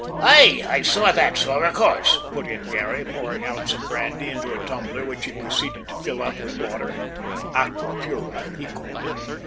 "Aye, I saw that, sor, of course," put in Garry, pouring out some brandy into a tumbler which he proceeded to fill up with water "aqua pura," he called it.